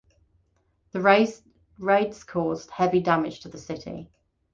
The raids caused heavy damage to the city.